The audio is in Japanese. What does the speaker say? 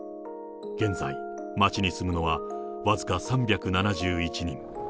現在、町に住むのは僅か３７１人。